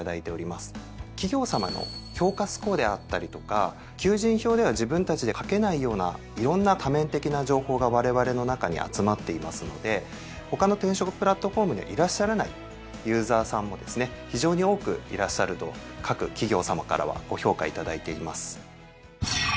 企業さまの評価スコアであったりとか求人票では自分たちで書けないようないろんな多面的な情報がわれわれの中に集まっていますので他の転職プラットフォームにはいらっしゃらないユーザーさんもですね非常に多くいらっしゃると各企業さまからはご評価いただいています。